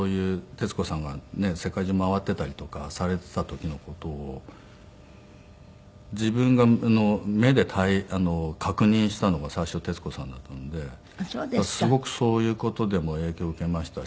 徹子さんがねえ世界中回っていたりとかされていた時の事を自分が目で確認したのが最初徹子さんだったのですごくそういう事でも影響受けましたし。